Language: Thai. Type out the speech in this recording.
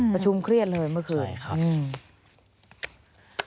ประชุมเครียดเลยเมื่อคืนครับอืม